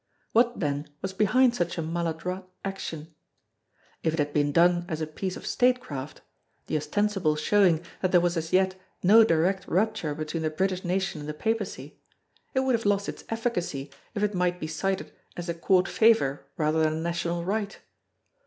What then was behind such a maladroit action? If it had been done as a piece of statecraft the ostensible showing that there was as yet no direct rupture between the British Nation and the Papacy it would have lost its efficacy if it might be cited as a Court favour rather than a national right.